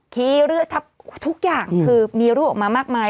ขี้เลือดทับทุกอย่างคือมีรูปออกมามากมาย